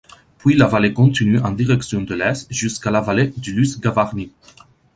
Puis la vallée continue en direction de l'est jusqu'à la vallée de Luz-Gavarnie.